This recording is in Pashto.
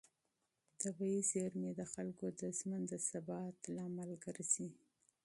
طبیعي زېرمې د خلکو د ژوند د ثبات سبب ګرځي.